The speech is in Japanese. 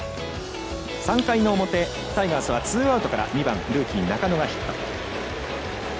３回の表、タイガースはツーアウトから２番、ルーキー中野がヒット。